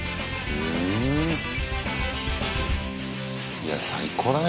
いや最高だね